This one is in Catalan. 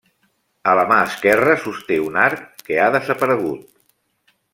A la mà esquerra sosté un arc, que ha desaparegut.